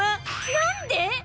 何で？